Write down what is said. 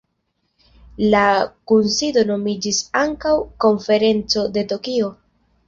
La kunsido nomiĝis ankaŭ Konferenco de Tokio.